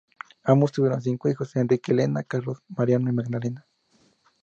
Ambos tuvieron cinco hijos: Enrique, Elena, Carlos, Mariano y Magdalena.